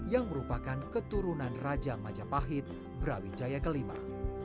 yang merupakan keturunan raja majapahit brawijaya kelima